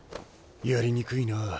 やりにくいな。